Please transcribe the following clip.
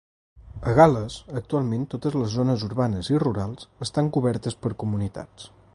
A Gal·les, actualment totes les zones urbanes i rurals estan cobertes per comunitats.